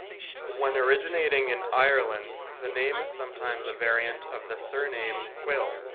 When originating in Ireland the name is sometimes a variant of the surname "Quill".